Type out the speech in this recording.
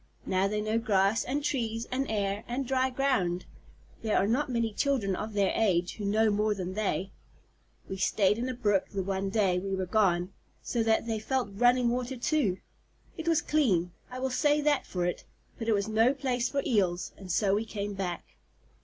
Now they know grass, and trees, and air, and dry ground. There are not many children of their age who know more than they. We stayed in a brook the one day we were gone, so they have felt running water too. It was clean I will say that for it but it was no place for Eels, and so we came back."